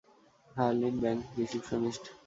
Harleen, bank receptionist!